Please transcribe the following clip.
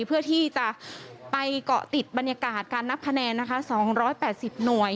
เพื่อที่จะไปเกาะติดบรรยากาศการนับคะแนนนะคะ๒๘๐หน่วย